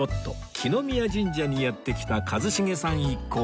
來宮神社にやって来た一茂さん一行